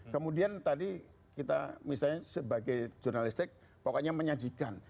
kemudian tadi kita misalnya sebagai jurnalistik pokoknya menyajikan